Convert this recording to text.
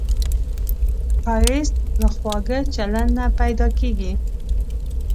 ښایست له خواږه چلند نه پیدا کېږي